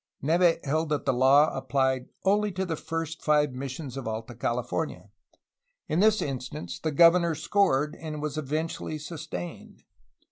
Neve held that the law apphed only to the first five missions of Alta California. In this instance the governor scored, and was eventually sustained.